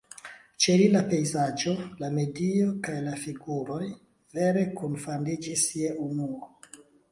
Ĉe li la pejzaĝo, la medio kaj la figuroj vere kunfandiĝis je unuo.